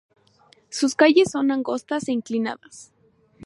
Sus calles son angostas e inclinadas.